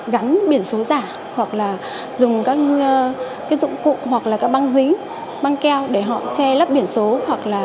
gắn biển số giả hoặc là dùng các dụng cụ hoặc là các băng dính băng keo để họ che lấp biển số